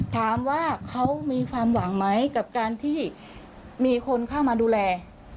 ถามว่าเขามีความหวังไหมกับการที่มีคนเข้ามาดูแล